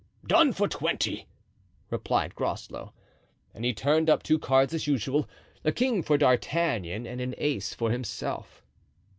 "Done for twenty," replied Groslow. And he turned up two cards as usual, a king for D'Artagnan and an ace for himself.